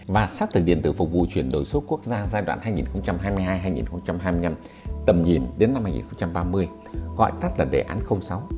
và xác thực điện tử phục vụ chuyển đổi số quốc gia giai đoạn hai nghìn hai mươi hai hai nghìn hai mươi năm tầm nhìn đến năm hai nghìn ba mươi gọi tắt là đề án sáu